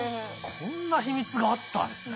こんな秘密があったんですね。